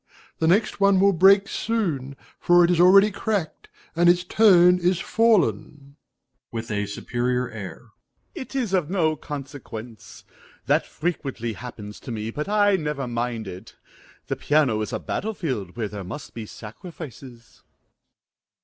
The next one will break soon, for it is already cracked, and its tone is fallen. MR. FORTE (with a superior air). It is of no consequence. That frequently happens to me; but I never mind it. The piano is a battle field where there must be sacrifices.